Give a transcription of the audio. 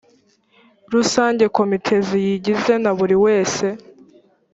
rusange komite ziyigize na buri wese